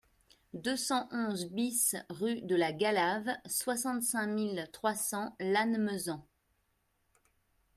deux cent onze BIS rue de la Galave, soixante-cinq mille trois cents Lannemezan